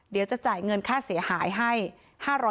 เดี๋ยวจะจ่ายเงินค่าเสียหายให้๕๐๐